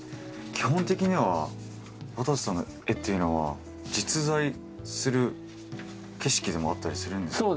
基本的にはわたせさんの絵っていうのは実在する景色でもあったりするんですか？